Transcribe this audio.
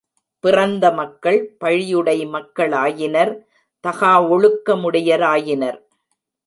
பிறந்த மக்கள், பழியுடை மக்களாயினர் தகாவொழுக்க முடையராயினர்.